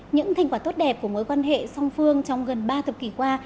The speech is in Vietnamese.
những thành quả tốt đẹp của mối quan hệ song phương trong gần ba thập kỷ qua